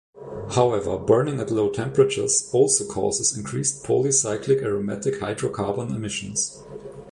However, burning at low temperatures also causes increased polycyclic aromatic hydrocarbon emissions.